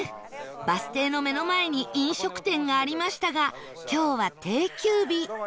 バス停の目の前に飲食店がありましたが今日は定休日